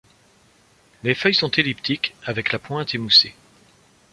Les feuilles sont elliptiques, avec la pointe émoussée.